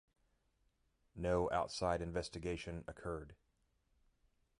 No outside investigation occurred.